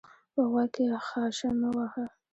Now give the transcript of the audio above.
په غوږ کښي خاشه مه وهه!